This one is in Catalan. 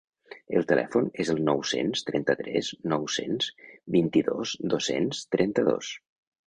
El telèfon és el nou-cents trenta-tres nou-cents vint-i-dos dos-cents trenta-dos.